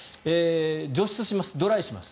除湿します、ドライします。